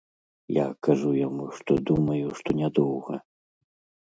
Я кажу яму, што думаю, што нядоўга.